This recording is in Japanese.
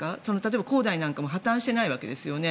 例えば恒大なんかも破たんしていないわけですよね。